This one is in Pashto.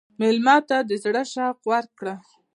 مېلمه ته د زړه شوق ورکړه.